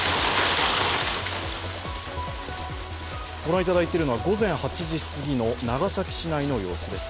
ご覧いただいているのは午前８時すぎの長崎市内の様子です。